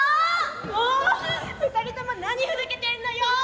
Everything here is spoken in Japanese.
「もう２人とも何ふざけてんのよ」。